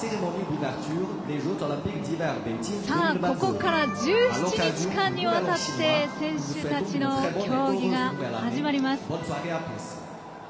ここから１７日間にわたって選手たちの競技が始まります。